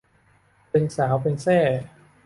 เป็นสาวเป็นแส้